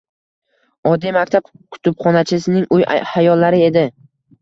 Oddiy maktab kutubxonachisining uy hayollari edi.